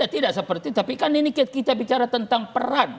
tidak seperti itu tapi kan ini kita bicara tentang peran